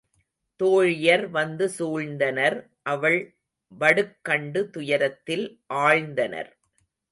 தோழியர் வந்து சூழ்ந்தனர் அவள் வடுக்கண்டு துயரத்தில் ஆழ்ந்தனர்.